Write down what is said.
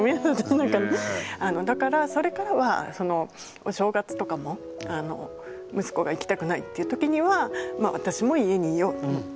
だからそれからはお正月とかも息子が行きたくないっていう時には私も家にいようと思って。